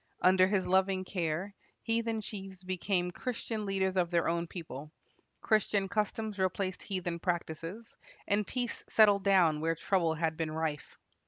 Under his loving care, heathen chiefs became Christian leaders of their own people; Christian customs replaced heathen practises; and peace settled down where trouble had been rife.